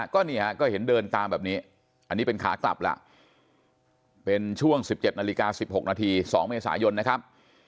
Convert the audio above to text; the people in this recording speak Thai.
ก็นี่ฮะก็เห็นเดินตามแบบนี้อันนี้เป็นขากลับล่ะเป็นช่วง๑๗นาฬิกา๑๖นาที๒เมษายนนะครับ